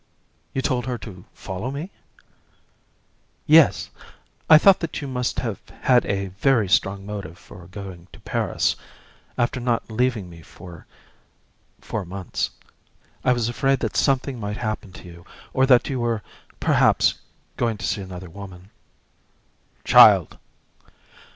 "You told her to follow me?" "Yes. I thought that you must have had a very strong motive for going to Paris, after not leaving me for four months. I was afraid that something might happen to you, or that you were perhaps going to see another woman." "Child!"